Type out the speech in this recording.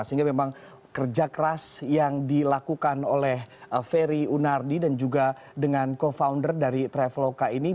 sehingga memang kerja keras yang dilakukan oleh ferry unardi dan juga dengan co founder dari traveloka ini